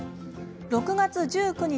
「６月１９日